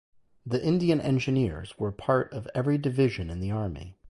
The Indian Engineers were a part of every division in the army.